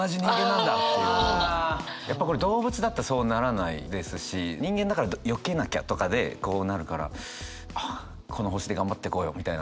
やっぱこれ動物だとそうならないですし人間だからよけなきゃとかでこうなるからああこの星で頑張っていこうよみたいな。